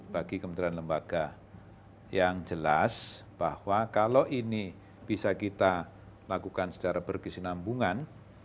bagi kementerian lembaga yang jelas bahwa kalau ini bisa kita lakukan secara berkesinambungan